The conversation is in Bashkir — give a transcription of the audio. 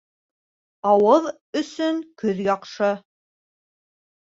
Ауыҙ өсөн көҙ яҡшы.